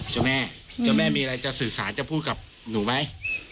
เจ้าแม่เจ้าแม่มีอะไรจะสื่อสารจะพูดกับหนูไหม